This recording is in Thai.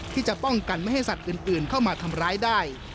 ที่จะป้องกันไม่ให้สัตว์อื่นเข้ามาทำร้ายได้